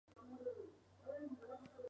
Se hizo necesario entonces.